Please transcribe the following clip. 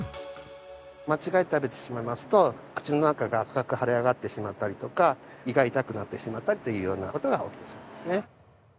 間違えて食べてしまいますと口の中が赤く腫れ上がってしまったりとか胃が痛くなってしまったりというような事が起きてしまいますね。